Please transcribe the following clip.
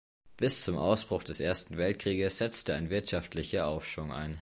Bis zum Ausbruch des Ersten Weltkrieges setzte ein wirtschaftlicher Aufschwung ein.